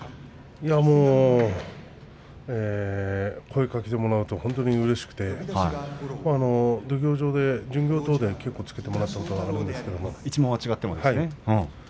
いや、もう声をかけてもらうと本当にうれしくて土俵上で、巡業等で稽古をつけてもらったことが一門が違ってもですね。